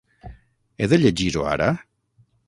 He de llegir-ho ara?